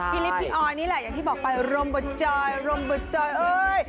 พี่ลิปพี่ออยนี่แหละอย่างที่บอกไปร่มเบาจอยเอ้ย